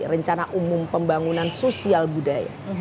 rencana umum pembangunan sosial budaya